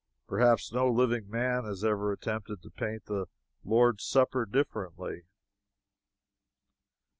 Perhaps no living man has ever known an attempt to paint the Lord's Supper differently.